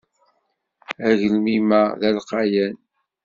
Agelmim-a d alqayan.